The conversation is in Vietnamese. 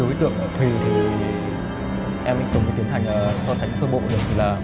đối tượng của thùy thì em cũng không có tiến hành so sánh sơ bộ được